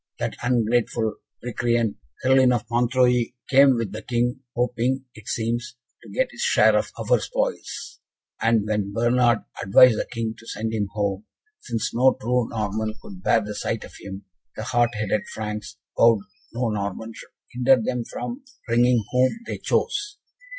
That ungrateful recreant, Herluin of Montreuil, came with the King, hoping, it seems, to get his share of our spoils; and when Bernard advised the King to send him home, since no true Norman could bear the sight of him, the hot headed Franks vowed no Norman should hinder them from bringing whom they chose.